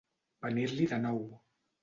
Venir-li de nou.